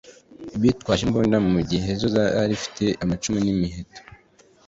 bitwaje imbunda mu gihe zo zari zifite amacumu n'imiheto.